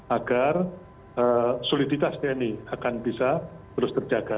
agar soliditas tni akan bisa terus terjaga